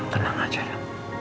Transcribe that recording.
tenang aja ma